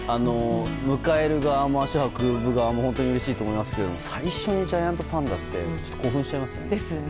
迎える側も足を運ぶ側も本当にうれしいと思いますが最初にジャイアントパンダって興奮しちゃいますね。